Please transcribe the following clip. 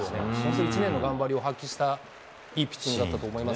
１年の頑張りを発揮したいいピッチングだったと思います。